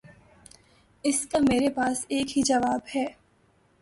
اس کا میرے پاس ایک ہی جواب ہے۔